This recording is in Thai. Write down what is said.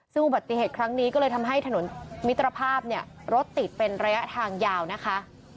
ซึ่งอุบัติเหตุครั้งนี้ก็เลยทำให้ถนนมิตรภาพเนี่ยรถติดเป็นระยะทางยาวนะคะ